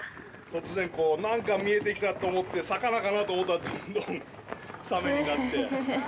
突然、何か見えてきたと思って魚かなと思ったらどんどんサメになって。